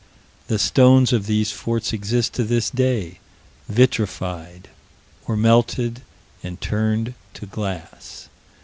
The stones of these forts exist to this day, vitrified, or melted and turned to glass.